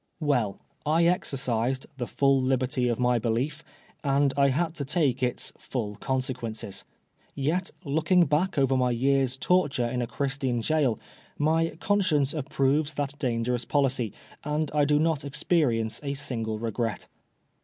Well, I exercised " the full liberty of my belief," and I had to take its *^ full conseqneiices." Yet, looking back over my year's torture in a Christian gaol, my •conBcience approves that dangerous policy, and I do not experience a single regret.